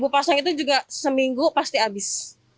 dua pasang itu juga seminggu pasti habis